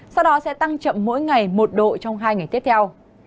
sau đó sẽ tăng chậm mỗi ngày một độ trong hai ngày tiếp theo